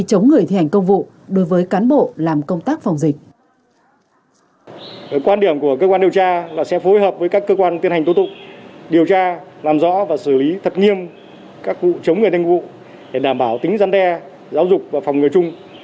chống người thi hành công vụ đối với cán bộ làm công tác phòng dịch